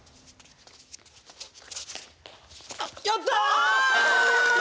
やった！